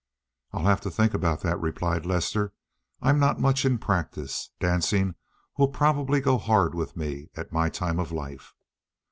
"I'll have to think about that," replied Lester. "I'm not much in practice. Dancing will probably go hard with me at my time of life."